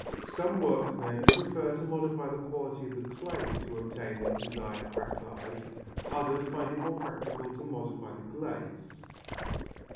Some workmen prefer to modify the quality of the clay to obtain the desired craquelage, others find it more practical to modify the glaze.